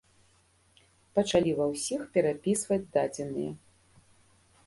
Пачалі ва ўсіх перапісваць дадзеныя.